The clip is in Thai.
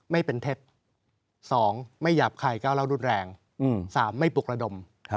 ไม่เป็นเท็จ๒ไม่หยาบคายก้าวเล่ารุนแรง๓ไม่ปลุกระดม